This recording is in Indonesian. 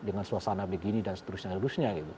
dengan suasana begini dan seterusnya gitu